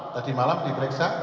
tadi malam diperiksa